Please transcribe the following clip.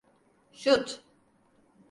Şut!